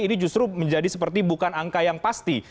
ini justru menjadi seperti bukan angka yang pasti